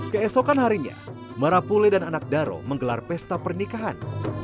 keesokan harinya marapule dan anak daro menggelar pesta pernikahan